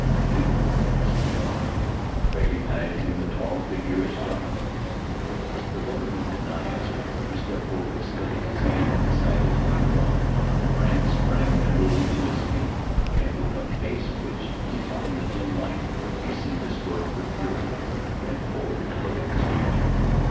"You?" whispered Helen, recognizing the tall figure as Jonathan's. The borderman did not answer. He stepped forward, slipping his hand inside his hunting frock. Brandt sprang nimbly to his feet, and with a face which, even in the dim light, could be seen distorted with fury, bent forward to look at the stranger.